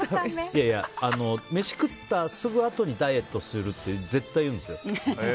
飯を食ったすぐあとにダイエットするって絶対言うんですよ。